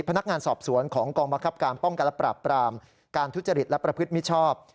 พนักงานสอบสวนของกองบังคับการป้องกันและปราบปรามการทุจริตและประพฤติมิชชอบ